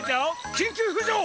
きんきゅうふじょう！